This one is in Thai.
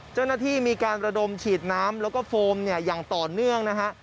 เจ้าหน้าที่มีการระดมฉีดน้ำแล้วก็โฟมเนี่ยอย่างต่อเนื่องนะฮะ